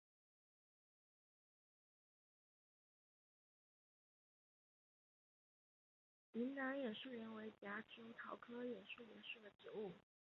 云南眼树莲为夹竹桃科眼树莲属的植物。